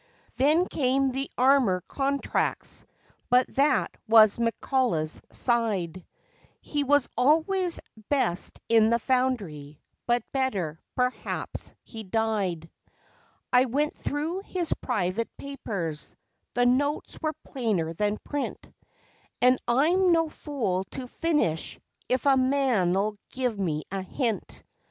Then came the armour contracts, but that was McCullough's side; He was always best in the Foundry, but better, perhaps, he died. I went through his private papers; the notes was plainer than print; And I'm no fool to finish if a man'll give me a hint.